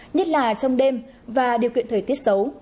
nhất là trong đêm và điều kiện thời tiết xấu